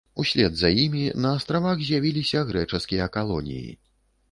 Услед за імі на на астравах з'явіліся грэчаскія калоніі.